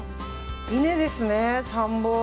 稲ですね、田んぼ。